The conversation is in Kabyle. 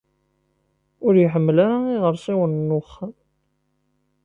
Ur iḥemmel ara iɣersiwen n wexxam.